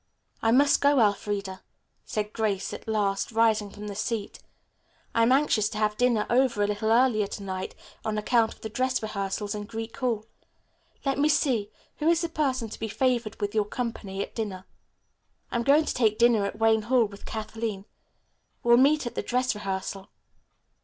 "I must go, Elfreda," said Grace at last, rising from the seat. "I am anxious to have dinner over a little earlier to night on account of the dress rehearsal in Greek Hall. Let me see, who is the person to be favored with your company at dinner?" "I'm going to take dinner at Wayne Hall with Kathleen. We'll meet at the dress rehearsal."